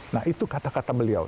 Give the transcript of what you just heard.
nah itu kata kata beliau